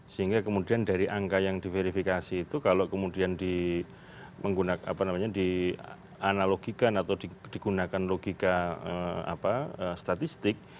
sehingga kemudian dari angka yang diverifikasi itu kalau kemudian di menggunakan apa namanya di analogikan atau digunakan logika apa statistik